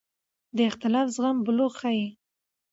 د اختلاف زغم بلوغ ښيي